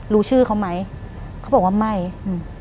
รู้ชื่อเขาไหมเขาบอกว่าไม่อืม